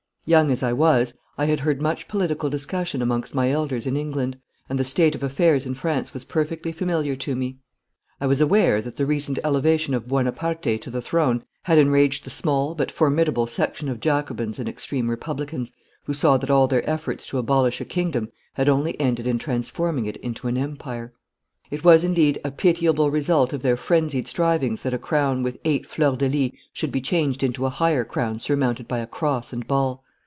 Young as I was, I had heard much political discussion amongst my elders in England, and the state of affairs in France was perfectly familiar to me. I was aware that the recent elevation of Buonaparte to the throne had enraged the small but formidable section of Jacobins and extreme Republicans, who saw that all their efforts to abolish a kingdom had only ended in transforming it into an empire. It was, indeed, a pitiable result of their frenzied strivings that a crown with eight fleurs de lis should be changed into a higher crown surmounted by a cross and ball.